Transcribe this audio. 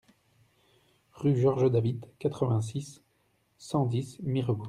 Rue Georges David, quatre-vingt-six, cent dix Mirebeau